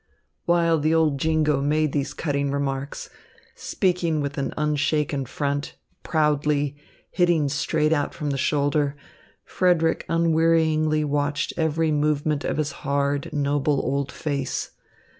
While the old jingo made these cutting remarks, speaking with an unshaken front, proudly, hitting straight out from the shoulder, Frederick unwearyingly watched every movement of his hard, noble old face.